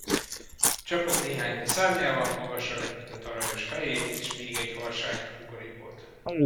Csapott néhányat a szárnyával, magasra vetette tarajos fejét, és még egy harsányat kukorékolt.